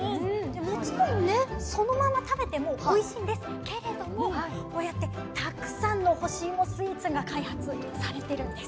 もちろんねそのまま食べてもおいしいんですけれどもこうやってたくさんの干しいもスイーツが開発されてるんです。